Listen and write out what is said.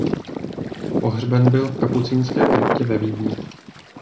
Pohřben byl v kapucínské kryptě ve Vídni.